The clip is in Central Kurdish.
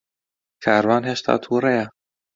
کاروان ھێشتا تووڕەیە.